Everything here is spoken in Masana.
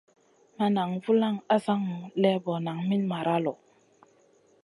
Ma nan vulaŋ asaŋu lébo naŋ min mara lo.